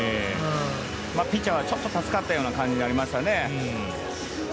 ピッチャーがちょっと助かったような感じになりましたよね。